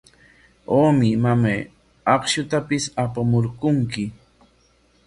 Awmi, mamay, akshutapis apamurquumi.